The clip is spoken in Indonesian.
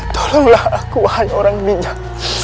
tolonglah aku ahai orang minyak